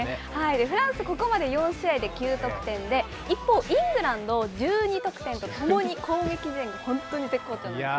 フランス、ここまで４試合で９得点で、一方、イングランドは１２得点と、ともに攻撃面が本当に絶好調なんですよ。